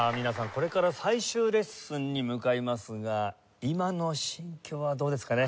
これから最終レッスンに向かいますが今の心境はどうですかね？